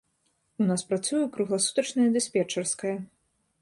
У нас працуе кругласутачная дыспетчарская.